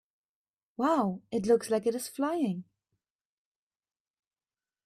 Wow! It looks like it is flying!